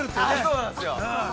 ◆そうなんですよ。